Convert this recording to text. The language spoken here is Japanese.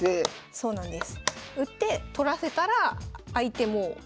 そうなんです。